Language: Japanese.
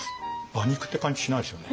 馬肉って感じしないですよね。